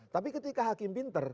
tapi ketika hakim pinter